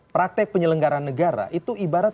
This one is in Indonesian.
praktek penyelenggaran negara itu ibarat